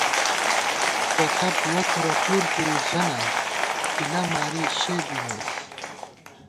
ژِمېس بہ ݪَپ ،یَہ کھُرہ څُور کېئ ژَہ نا، پِلہ ماری شےبِمېس